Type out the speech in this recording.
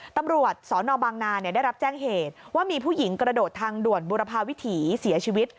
ตำรวจสนบางนาได้รับแจ้งเหตุว่ามีผู้หญิงกระโดดทางด่วนบุรพาวิถีเสียชีวิต